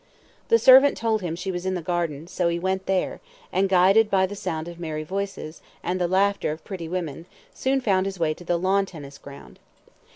The servant told him she was in the garden, so he went there, and, guided by the sound of merry voices, and the laughter of pretty women, soon found his way to the lawn tennis ground.